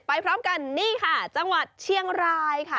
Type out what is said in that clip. พร้อมกันนี่ค่ะจังหวัดเชียงรายค่ะ